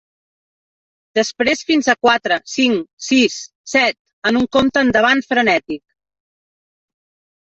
Després fins a quatre, cinc, sis, set, en un compte endavant frenètic.